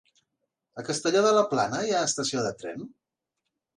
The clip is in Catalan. A Castelló de la Plana hi ha estació de tren?